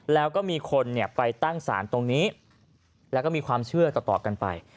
แล้วก็มีคนเนี่ยไปตั้งตรงนี้มีความเชื่อต่อต่อกันไป